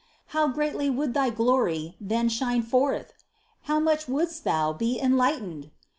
How greatly would thy glory then shine forth! How much wouldst thou be enlightened!